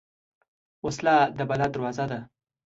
وسله د بلا دروازه ده